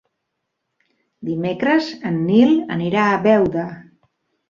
Dimecres en Nil anirà a Beuda.